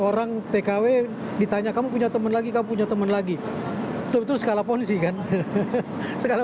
orang tkw ditanya kamu punya teman lagi kamu punya teman lagi betul betul skala polisi kan skala